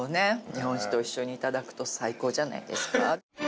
日本酒と一緒に頂くと最高じゃないですか。